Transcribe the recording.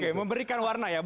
oke memberikan warna ya